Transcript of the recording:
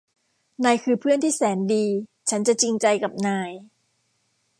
นายคือเพื่อนที่แสนดีฉันจะจริงใจกับนาย